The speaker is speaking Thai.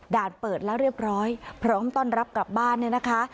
เปิดแล้วเรียบร้อยพร้อมต้อนรับกลับบ้านเนี่ยนะคะ